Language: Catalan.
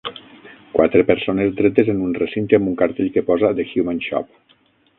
Quatre persones dretes en un recinte amb un cartell que posa "The Human Shop"